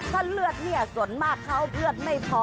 ถ้าเลือดเนี่ยส่วนมากเขาเลือดไม่พอ